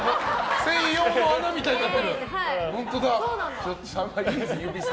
専用の穴みたいになってる！